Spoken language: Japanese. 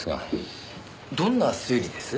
どんな推理です？